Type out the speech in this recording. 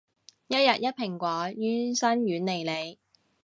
一日一蘋果，醫生遠離你